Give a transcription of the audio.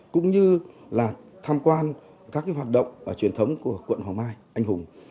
cũng như là tham quan các hoạt động truyền thống của quận hoàng mai anh hùng